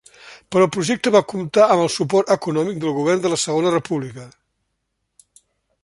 Per al projecte va comptar amb el suport econòmic del govern de la Segona República.